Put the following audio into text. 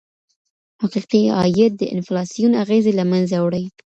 حقیقي عاید د انفلاسیون اغیزې له منځه وړي.